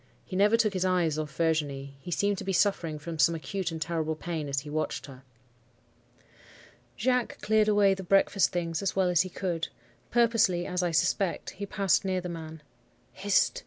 He never took his eyes off Virginie; he seemed to be suffering from some acute and terrible pain as he watched her. "Jacques cleared away the breakfast things as well as he could. Purposely, as I suspect, he passed near the man. "'Hist!